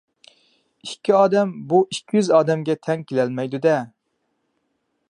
ئىككى ئادەم بۇ ئىككى يۈز ئادەمگە تەڭ كېلەلمەيدۇ-دە.